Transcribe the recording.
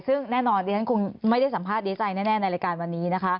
ซึ่งแน่นอนดิฉันคงไม่ได้สัมภาษณ์ดีใจแน่ในรายการวันนี้นะคะ